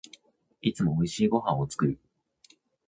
いつも美味しいご飯を作る